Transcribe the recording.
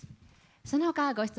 そのほかご質問